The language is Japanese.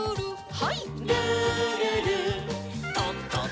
はい。